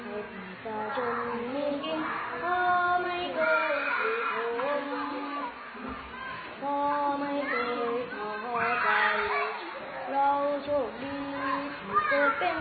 พอท่องควรรักได้จริงในน้ำบุคลุนจะทำได้จังทิ้ง